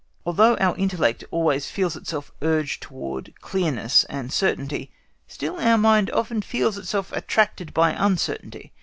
Although our intellect always feels itself urged towards clearness and certainty, still our mind often feels itself attracted by uncertainty.